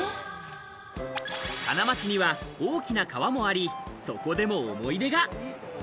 金町には大きな川もあり、そこでも思い出が。